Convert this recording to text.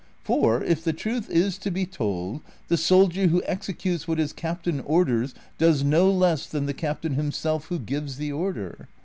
For, if the truth is to be tokl, the soklier who exe cutes what his captain orders does no less than the captain himself who gives the order.